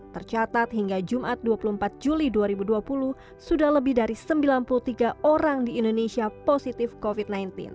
tercatat hingga jumat dua puluh empat juli dua ribu dua puluh sudah lebih dari sembilan puluh tiga orang di indonesia positif covid sembilan belas